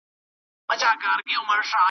شپې تر سهاره یې سجدې کولې .